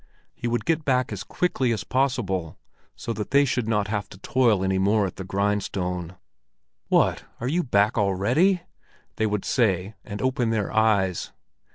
He would get back as quickly as possible, so that they should not have to toil any more at the grindstone. "What, are you back already?" they would say, and open their eyes.